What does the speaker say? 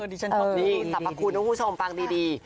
สำปรากฏคุณคุณผู้ชมฟังดี